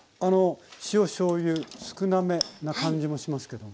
塩しょうゆ少なめな感じもしますけど。